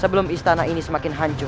sebelum istana ini semakin hancur